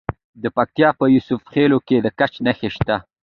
د پکتیکا په یوسف خیل کې د ګچ نښې شته.